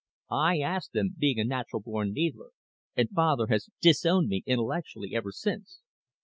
I asked them, being a natural born needler, and Father has disowned me intellectually ever since."